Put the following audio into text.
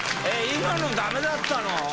えっ今のダメだったの？